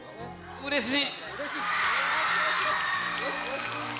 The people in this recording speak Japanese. うれしい！